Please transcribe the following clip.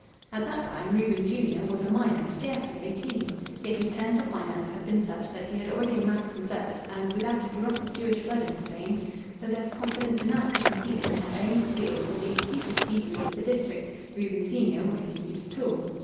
At that time Reuben, junior, was a minor, scarcely eighteen. Yet his turn for finance had been such that he had already amassed reserves, and without a drop of Jewish blood in his veins possessed confidence enough to compete in their own field with the acutest Hebrews of the district. Reuben, senior, was the youth's tool.